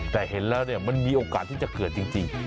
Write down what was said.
แต่เห็นแล้วเนี่ยมันมีโอกาสที่จะเกิดจริง